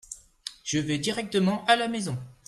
Je vais directement à la maison.